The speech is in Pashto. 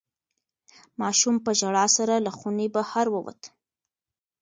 ماشوم په ژړا سره له خونې بهر ووت.